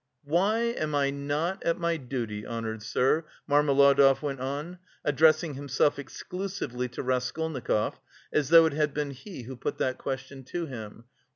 "Why am I not at my duty, honoured sir," Marmeladov went on, addressing himself exclusively to Raskolnikov, as though it had been he who put that question to him.